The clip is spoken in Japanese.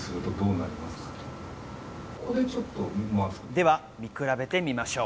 では見比べてみましょう。